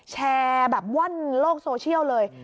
แชร์แบบว่อนโลกโซเชียลเลย